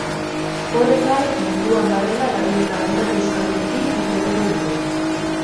Horrez gain, munduan barrena dabiltzan hainbat euskaldunekin hitz egingo dute.